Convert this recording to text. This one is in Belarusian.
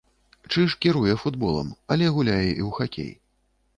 Чыж кіруе футболам, але гуляе і ў хакей.